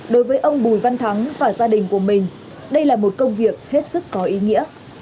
đối với ông bùi văn thắng và gia đình của mình đây là một công việc hết sức có ý nghĩa